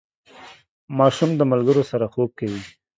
ماشوم د ملګرو سره خوب کوي.